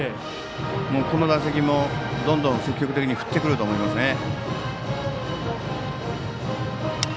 この打席も、どんどん積極的に振ってくると思います。